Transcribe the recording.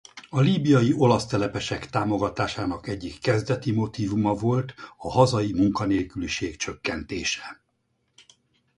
A líbiai olasz telepesek támogatásának egyik kezdeti motívuma volt a hazai munkanélküliség csökkentése.